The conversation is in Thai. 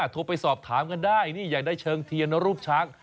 โทรไปสอบถามกันได้นี่อยากได้เชิงเทียนรูปช้าง